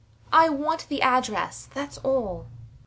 I want the address: thats all.